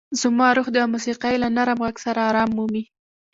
زما روح د موسیقۍ له نرم غږ سره ارام مومي.